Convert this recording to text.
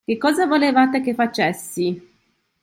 Che cosa volevate che facessi?